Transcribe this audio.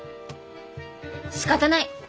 しかたない！